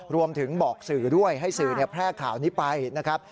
รวมถึงบอกสื่อด้วยให้สื่อแพร่ข่าวนี้ไปนะครับ